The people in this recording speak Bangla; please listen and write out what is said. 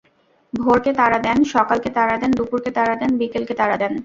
ভোরকে তাড়া দেন, সকালকে তাড়া দেন, দুপুরকে তাড়া দেন, বিকেলকে তাড়া দেন।